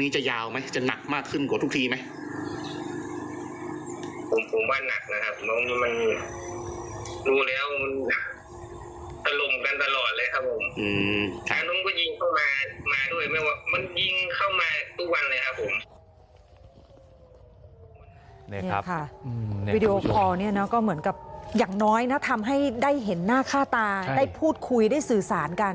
นี่ค่ะวีดีโอคอลเนี่ยนะก็เหมือนกับอย่างน้อยนะทำให้ได้เห็นหน้าค่าตาได้พูดคุยได้สื่อสารกัน